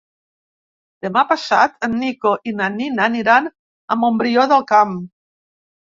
Demà passat en Nico i na Nina aniran a Montbrió del Camp.